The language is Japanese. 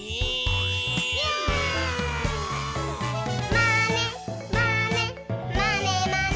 「まねまねまねまね」